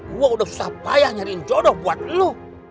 gua udah susah payah nyariin jodoh buat lu